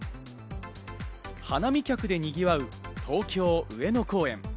花見客でにぎわう、東京・上野公園。